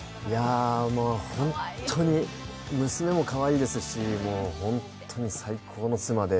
本当に娘もかわいいですし、本当に最高の妻で。